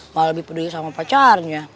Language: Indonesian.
malah lebih peduli sama pacarnya